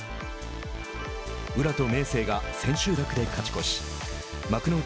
宇良と明生が千秋楽で勝ち越し幕内